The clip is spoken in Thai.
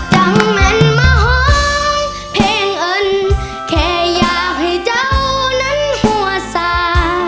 ร้องเพลงเอิญแค่อยากให้เจ้านั้นหัวสา